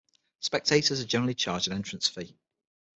Spectators are generally charged an entrance fee.